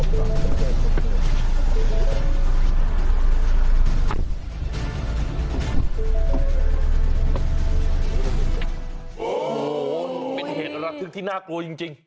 โอ้โหเป็นเหตุระทึกที่น่ากลัวจริง